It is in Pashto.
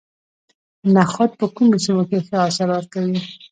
نخود په کومو سیمو کې ښه حاصل ورکوي؟